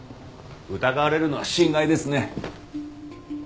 疑われるのは心外ですね。